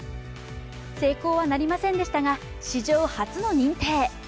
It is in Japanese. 成功はなりませんでしたが、史上初の認定。